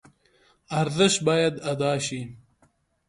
ارزش باید ادا شي.